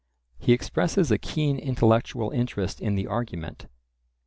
He expresses a keen intellectual interest in the argument.